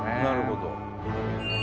なるほど。